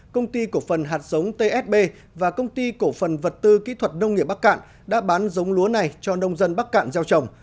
công ty cổ phần hạt giống tsb và công ty cổ phần vật tư kỹ thuật nông nghiệp bắc cạn đã bán giống lúa này cho nông dân bắc cạn gieo trồng